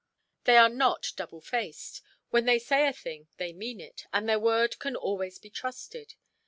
They are not double faced; when they say a thing they mean it, and their word can always be trusted.